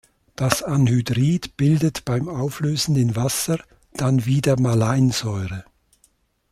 Das Anhydrid bildet beim Auflösen in Wasser dann wieder Maleinsäure.